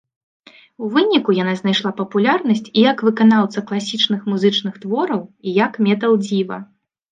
У выніку яна знайшла папулярнасць і як выканаўца класічных музычных твораў, і як метал-дзіва.